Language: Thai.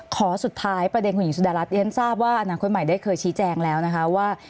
ขอสุดท้ายประเด็นคุณหญิงสุดารัฐเรียนทราบว่าอนาคตใหม่ได้เคยชี้แจงแล้วนะคะว่า